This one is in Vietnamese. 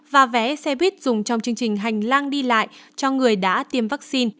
và vé xe buýt dùng trong chương trình hành lang đi lại cho người đã tiêm vaccine